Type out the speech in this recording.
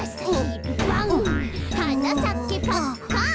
「はなさけパッカン」